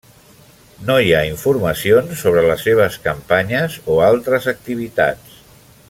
No hi ha informacions sobre les seves campanyes o altres activitats.